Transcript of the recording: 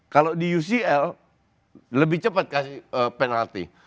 kalau di ucl lebih cepat kasih penalti